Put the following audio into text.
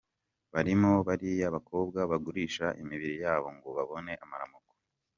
Barimo bariya bakobwa bagurisha imibiri yabo ngo babone amaramuko;